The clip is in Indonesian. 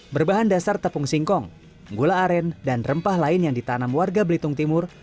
berbahan dasar tepung singkong gula aren dan rempah lain yang ditanam warga belitung timur